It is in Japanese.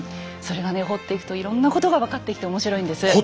それがね掘っていくといろんなことが分かってきて面白いんです。